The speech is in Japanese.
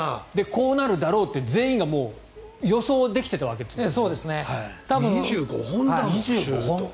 こうなるだろうって全員が予想できていたわけですね。